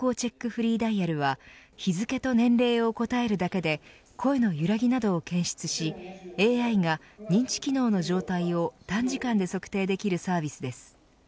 フリーダイヤルは日付と年齢を答えるだけで声のゆらぎなどを検出しＡＩが認知機能の状態を短時間で測定できるサービスです。